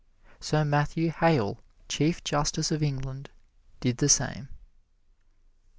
Sir Matthew Hale, Chief Justice of England, did the same.